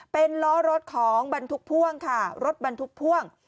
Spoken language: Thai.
เป็นล้อรถของบรรทุกพ่วงค่ะรถบรรทุกพ่วง